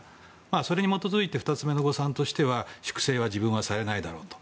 それに基づいて２つ目の誤算としては自分は粛清されないだろうと。